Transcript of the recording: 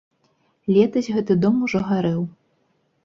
Летась гэты дом ужо гарэў.